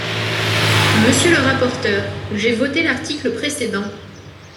Monsieur le rapporteur, j’ai voté l’article précédent.